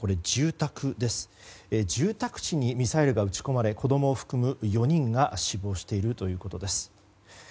住宅地にミサイルが撃ち込まれ子供を含む４人が死亡しているということです。